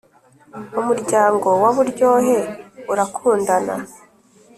umuryango wa buryohe urakundana